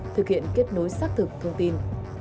thực hiện kết nối xác thực thông tin